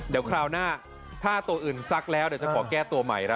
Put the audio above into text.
เดี๋ยวคราวหน้าถ้าตัวอื่นซักแล้วเดี๋ยวจะขอแก้ตัวใหม่ครับ